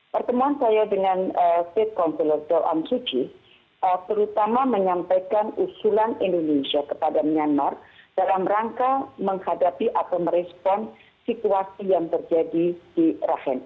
pertemuan saya dengan state councilor down dua g terutama menyampaikan usulan indonesia kepada myanmar dalam rangka menghadapi atau merespon situasi yang terjadi di rahim